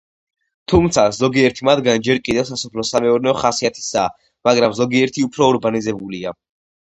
თუმცა, ზოგიერთი მათგანი ჯერ კიდევ სასოფლო-სამეურნეო ხასიათისაა, მაგრამ ზოგიერთი უფრო ურბანიზებულია.